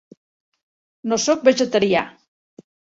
No soc vegetarià.